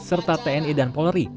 serta tni dan polri